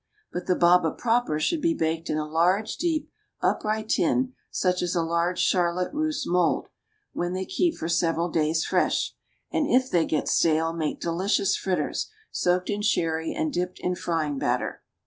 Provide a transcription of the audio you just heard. But the baba proper should be baked in a large, deep, upright tin, such as a large charlotte russe mold, when they keep for several days fresh, and if they get stale, make delicious fritters, soaked in sherry and dipped in frying batter.